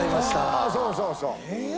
ああそうそうそう。